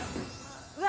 うわ！